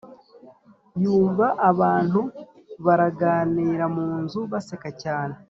yumva abantu baraganira munzu baseka cyane